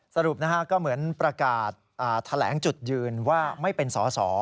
สรุปนะฮะก็เหมือนประกาศแถลงจุดยืนว่าไม่เป็นสอสอ